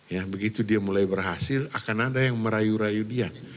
ya begitu dia mulai berhasil akan ada yang merayu rayu dia